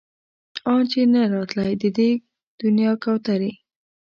ان چې نه راتلی د دې دنيا کوترې